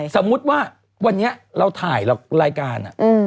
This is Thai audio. สมมุติว่าวันนี้เราถ่ายรายการ